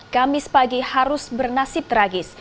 kamis pagi harus bernasib tragis